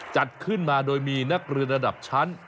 จัดขึ้นมาโดยมีนักเรียนระดับชั้น